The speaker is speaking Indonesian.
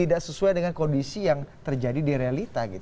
tidak sesuai dengan kondisi yang terjadi di realita